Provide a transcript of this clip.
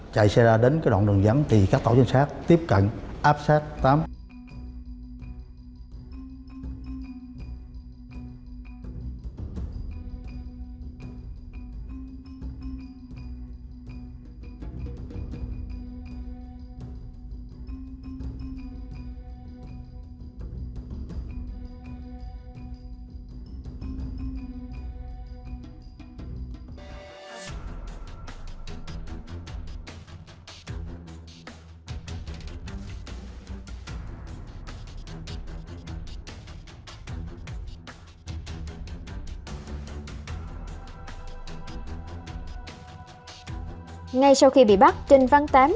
chạy xe ra đến cái đoạn đường dẫn thì các tổ trinh sát tiếp cận áp sát tám